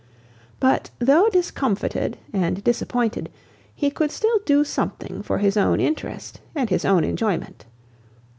But, though discomfited and disappointed, he could still do something for his own interest and his own enjoyment.